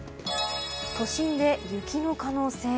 都心で雪の可能性。